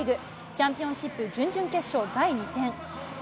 チャンピオンシップ準々決勝第２戦。